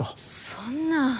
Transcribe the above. そんな。